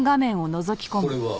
これは？